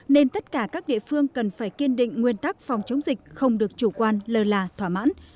nên tất cả các địa phương cần phải kiên định nguyên tắc phòng chống dịch không được chủ quan lơ là thỏa mãn